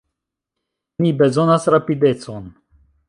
Ni bezonas rapidecon!